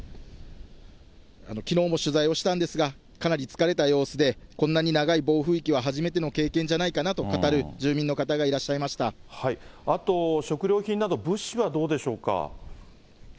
きのうも取材をしたんですが、かなり疲れた様子で、こんなに長い暴風域は初めての経験じゃないかなと語る住民の方があと、食料品など、物資はどうでしょうか。